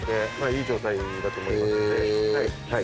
いい状態だと思いますんで。